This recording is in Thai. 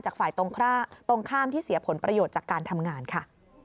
ฝ่ายตรงข้ามที่เสียผลประโยชน์จากการทำงานค่ะ